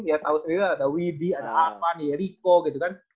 ya tau sendiri lah ada widi ada arman ada yeriko gitu kan